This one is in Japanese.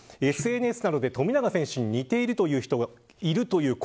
ＳＮＳで、富永選手に似ているという人がいるという声